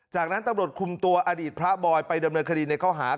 จากนั้นตำรวจคุมตัวอดีตพระบอยไปดำเนินคดีในข้อหา